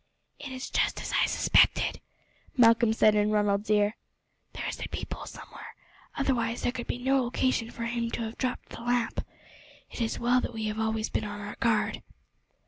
"It is just as I suspected," Malcolm said in Ronald's ear. "There is a peephole somewhere, otherwise there could be no occasion for him to have dropped the lamp. It is well that we have always been on our guard."